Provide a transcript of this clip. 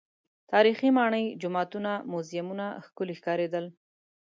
تاریخي ماڼۍ، جوماتونه، موزیمونه ښکلي ښکارېدل.